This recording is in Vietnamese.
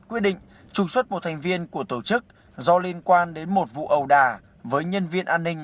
quyết định trùng xuất một thành viên của tổ chức do liên quan đến một vụ ầu đà với nhân viên an ninh